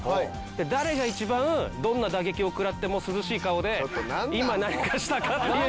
誰が一番どんな打撃を食らっても涼しい顔で「今何かしたか？」って言えるか。